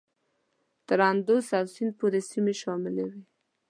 تر اندوس او سیند پورې سیمې شاملي وې.